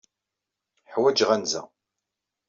Ḥwajeɣ anza.